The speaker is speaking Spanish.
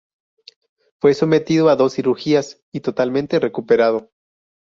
Fue sometido a dos cirugías y totalmente recuperado.